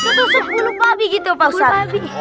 ketusuk bulu babi gitu pak ustadz